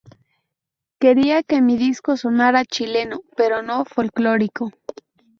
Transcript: Quería que mi disco sonara chileno, pero no folclórico.